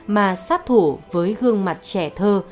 mà sát thủ với gương mặt trẻ thơ